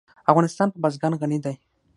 افغانستان په بزګان غني دی.